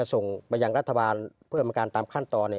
ส่งไปยังรัฐบาลเพื่อกรรมการตามขั้นตอน